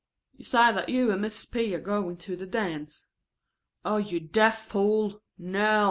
("You say that you and Mrs. P. are going to the dance.") "Oh, you deaf fool! No!